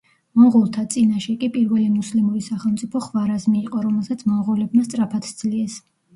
მონღოლთა წინაშე კი პირველი მუსლიმური სახელმწიფო ხვარაზმი იყო, რომელსაც მონღოლებმა სწრაფად სძლიეს.